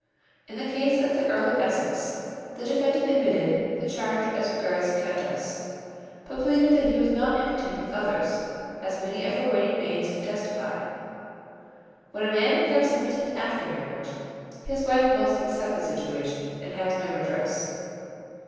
In the case of the Earl of Essex the defendant admitted the charge as regards the Countess, but pleaded that he was not impotent with others, as many of her waiting maids could testify. When a man becomes impotent after marriage, his wife must accept the situation, and has no redress.